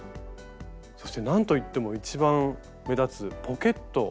そしてなんと言っても一番目立つポケット。